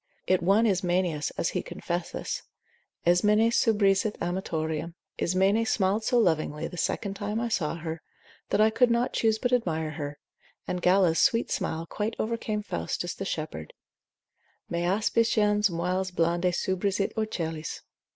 It won Ismenias, as he confesseth, Ismene subrisit amatorium, Ismene smiled so lovingly the second time I saw her, that I could not choose but admire her: and Galla's sweet smile quite overcame Faustus the shepherd, Me aspiciens moils blande subrisit ocellis.